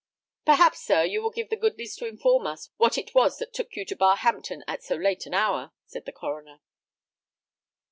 "Perhaps, sir, you will have the goodness to inform us what it was that took you to Barhampton at so late an hour," said the coroner.